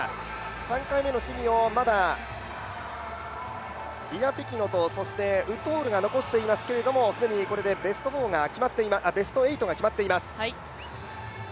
３回目の試技をまだイアピキノとウッドホールが残ってますけど既にこれでベスト８が決まっています。